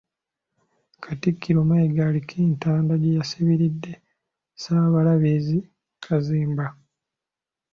Katikkiro Mayiga aliko entanda gye yasibiridde Ssaabalabirizi Kazimba.